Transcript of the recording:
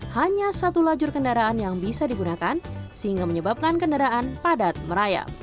hanya satu lajur kendaraan yang bisa digunakan sehingga menyebabkan kendaraan padat merayap